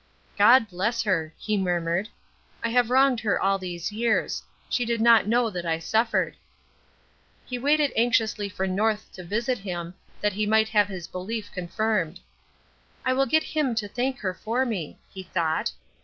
"God bless her," he murmured. "I have wronged her all these years. She did not know that I suffered." He waited anxiously for North to visit him, that he might have his belief confirmed. "I will get him to thank her for me," he thought.